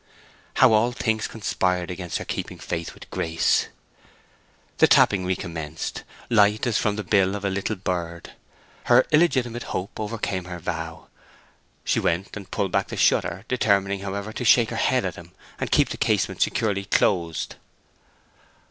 How all things conspired against her keeping faith with Grace! The tapping recommenced, light as from the bill of a little bird; her illegitimate hope overcame her vow; she went and pulled back the shutter, determining, however, to shake her head at him and keep the casement securely closed.